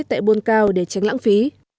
tại buôn cao để tránh lãng phí